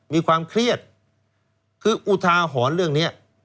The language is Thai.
มีความเครียดคืออุทาหรณ์เรื่องนี้